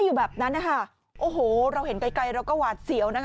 อยู่แบบนั้นนะคะโอ้โหเราเห็นไกลไกลเราก็หวาดเสียวนะคะ